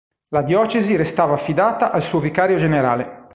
La diocesi restava affidata al suo vicario generale.